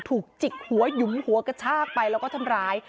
ถูกจิกหัวหยุมหัวกระชากไปแล้วก็ทำร้าย